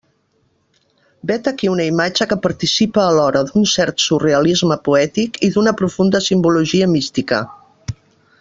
Vet aquí una imatge que participa alhora d'un cert surrealisme poètic i d'una profunda simbologia mística.